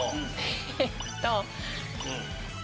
えっと。